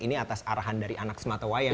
ini atas arahan dari anak sematawayang